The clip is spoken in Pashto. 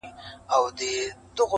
د ریشتیا پر میدان ټوله دروغجن یو -